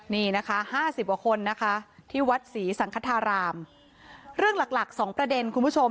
นี่นะคะห้าสิบกว่าคนนะคะที่วัดศรีสังคธารามเรื่องหลักหลักสองประเด็นคุณผู้ชม